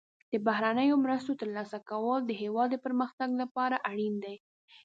د بهرنیو مرستو ترلاسه کول د هیواد د پرمختګ لپاره اړین دي.